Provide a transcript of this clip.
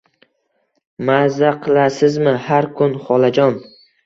Maza qilasizmi har kun, xolajon?